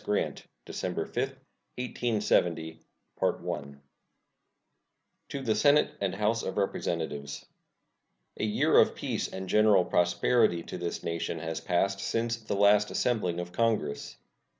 Grant December 5, 1870 To the Senate and House of Representatives: A year of peace and general prosperity to this nation has passed since the last assembling of Congress.